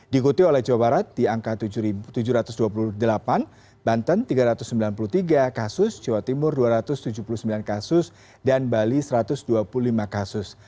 diikuti oleh jawa barat di angka tujuh ratus dua puluh delapan banten tiga ratus sembilan puluh tiga kasus jawa timur dua ratus tujuh puluh sembilan kasus dan bali satu ratus dua puluh lima kasus